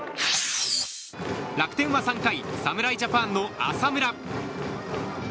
楽天は３回侍ジャパンの浅村。